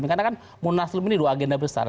karena kan munas ini dua agenda besar